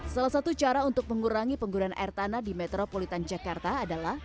salah satu cara untuk mengurangi penggunaan air tanah di metropolitan jakarta adalah